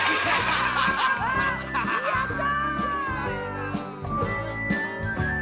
やった！